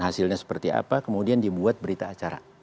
hasilnya seperti apa kemudian dibuat berita acara